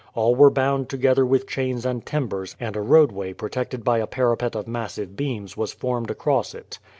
All were bound together with chains and timbers and a roadway protected by a parapet of massive beams was formed across it.